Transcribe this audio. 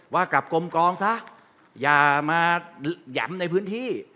ว่ากลับกลมกองซะอย่ามาหย่ำในพื้นที่